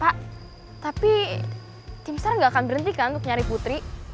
pak tapi timstar gak akan berhentikan untuk nyari putri